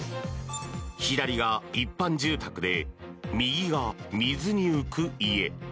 左が一般住宅で右が水に浮く家。